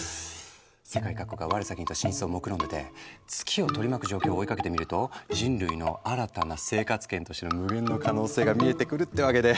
世界各国が我先にと進出をもくろんでて月を取り巻く状況を追いかけてみると人類の新たな生活圏としての無限の可能性が見えてくるってわけで。